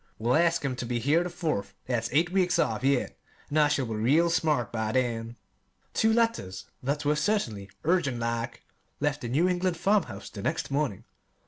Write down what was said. "We'll ask 'em ter be here the Fourth; that's eight weeks off yet, an' I shall be real smart by then." Two letters that were certainly "urgent like" left the New England farmhouse the next morning.